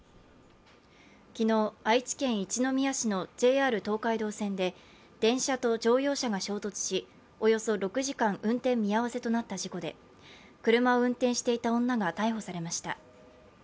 昨日、愛知県一宮市のＪＲ東海道線で電車と乗用車が衝突しおよそ６時間、運転見合わせとなった事故で、車を運転していた女が逮捕されました。